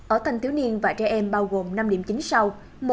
ở thanh thiếu niên và trẻ em bao gồm năm điểm chính sau